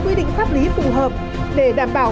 quy định pháp lý phù hợp để đảm bảo